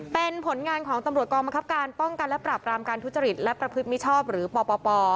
เป็นผลงานของตำรวจกองบังคับการป้องกันและปราบรามการทุจริตและประพฤติมิชอบหรือปป